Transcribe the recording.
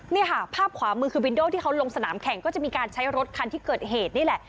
นี่ค่ะภาพขวามือคือวินโดที่เขาลงสนามแข่งก็จะมีการใช้รถคันที่เกิดเหตุนี่แหละ